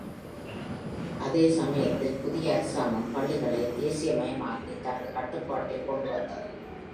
அதே சமயத்தில், புதிய அரசாங்கம், பள்ளிகளை தேசியமயமாக்கி தனது கட்டுப்பாட்டில் கொண்டு வந்தது.